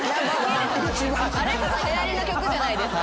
あれこそはやりの曲じゃないですか。